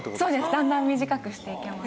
だんだん短くしていけます。